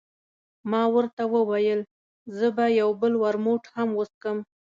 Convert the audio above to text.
ما ورته وویل، زه به یو بل ورموت هم وڅښم.